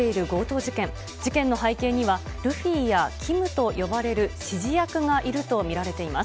事件の背景には、ルフィやＫＩＭと呼ばれる指示役がいると見られています。